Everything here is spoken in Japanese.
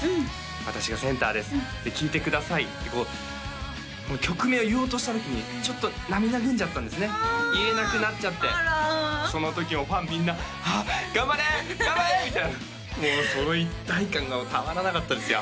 「私がセンターです聴いてください」ってこう曲名を言おうとした時にちょっと涙ぐんじゃったんですね言えなくなっちゃってその時もファンみんな「頑張れ！頑張れ！」みたいなその一体感がたまらなかったですよ